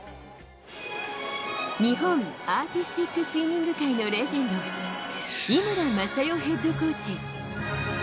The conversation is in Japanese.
日本アーティスティックスイミング界のレジェンド・井村雅代ヘッドコーチ。